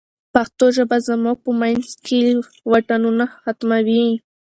پښتو ژبه زموږ په منځ کې واټنونه ختموي.